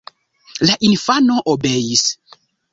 La infano obeis.